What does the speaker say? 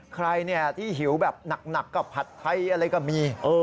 ใครที่หิวแบบหนักก็ผัดไทยอะไรก็มี